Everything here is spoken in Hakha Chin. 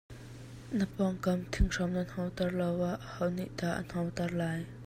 Na pawngkam thingram na hno ter loah aho nih dah a hno ter lai.